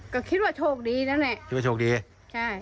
ก็คิดว่าโชคดีนั่นแหละคิดว่าโชคดีใช่